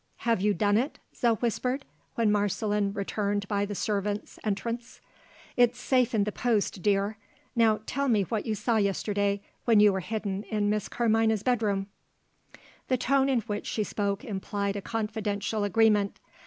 "Have you done it?" Zo whispered, when Marceline returned by the servants' entrance. "It's safe in the post, dear. Now tell me what you saw yesterday, when you were hidden in Miss Carmina's bedroom." The tone in which she spoke implied a confidential agreement.